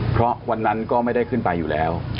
เพราะวันนั้นก็ไม่ได้ขึ้นไปอยู่แล้ว